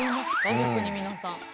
逆に皆さん。